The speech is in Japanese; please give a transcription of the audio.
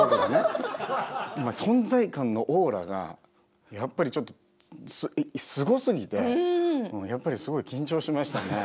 存在感のオーラがやっぱりちょっとすごすぎてやっぱりすごい緊張しましたね。